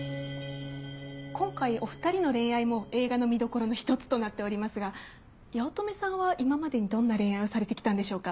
今回お２人の恋愛も映画の見どころの１つとなっておりますが八乙女さんは今までにどんな恋愛をされて来たんでしょうか？